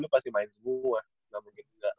pasti main semua nggak mungkin enggak